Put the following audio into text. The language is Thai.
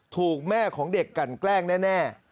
ถูกแม่ของเด็กกันแกล้งแน่